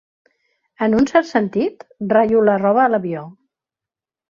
En un cert sentit, ratllo la roba a l'avió.